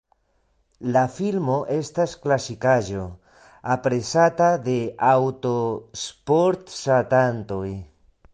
La filmo estas klasikaĵo, aprezata de aŭtosport-ŝatantoj.